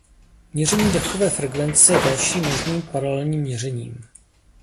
Měření dechové frekvence je dalším možným paralelním měřením.